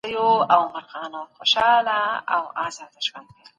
که عاید کم نه وي خلګ به خوشحاله وي.